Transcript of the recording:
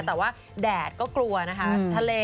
แต่ว่าแดดก็กลัวนะคะทะเล